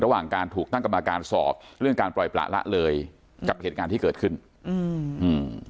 ระหว่างการถูกตั้งกรรมการสอบเรื่องการปล่อยประละเลยกับเหตุการณ์ที่เกิดขึ้นอืมอืม